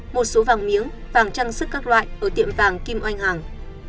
một số vàng miếng vàng trang sức các loại ở tiệm vàng kim oanh hàng